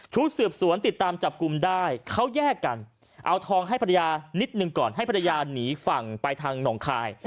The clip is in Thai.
สืบสวนติดตามจับกลุ่มได้เขาแยกกันเอาทองให้ภรรยานิดหนึ่งก่อนให้ภรรยาหนีฝั่งไปทางหนองคาย